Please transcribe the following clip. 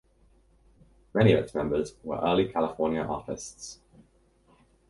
Many of its members were early California artists.